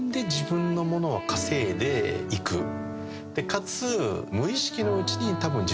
かつ。